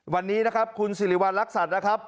วันนี้นะครับคุณสิริวัณรักษัตริย์นะครับ